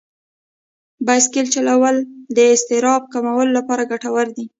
بایسکل چلول د اضطراب کمولو لپاره ګټور دي.